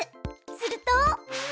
すると。